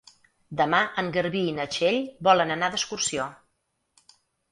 Demà en Garbí i na Txell volen anar d'excursió.